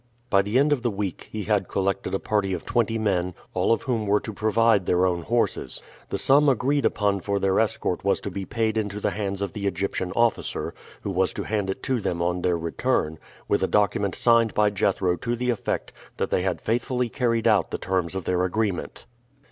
By the end of the week he had collected a party of twenty men, all of whom were to provide their own horses. The sum agreed upon for their escort was to be paid into the hands of the Egyptian officer, who was to hand it to them on their return, with a document signed by Jethro to the effect that they had faithfully carried out the terms of their agreement.